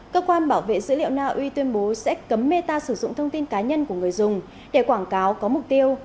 cơ quan bảo vệ dữ liệu na uy tuyên bố sẽ cấm meta sử dụng thông tin cá nhân của người dùng để quảng cáo có mục tiêu